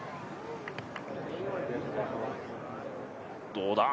どうだ？